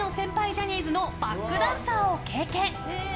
ジャニーズのバックダンサーを経験。